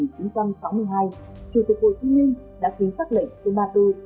chủ tịch hồ chí minh đã ký sắc lệnh số ba mươi bốn